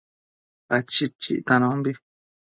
Pachid chictanombi